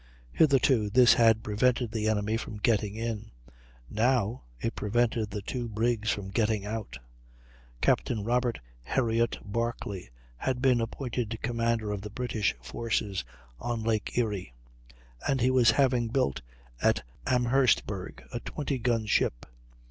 Hitherto this had prevented the enemy from getting in; now it prevented the two brigs from getting out. Captain Robert Heriot Barclay had been appointed commander of the British forces on Lake Erie; and he was having built at Amherstburg a 20 gun ship.